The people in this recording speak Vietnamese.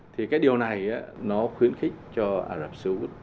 thì cái điều này nó khuyến khích cho ả rập xê út